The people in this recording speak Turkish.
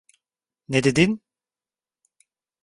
Ne dedin?